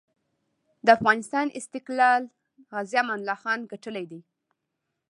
د افغانسان استقلار غازي امان الله خان ګټلی دی.